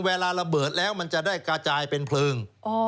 เวลาระเบิดแล้วมันจะได้กระจายเป็นเพลิง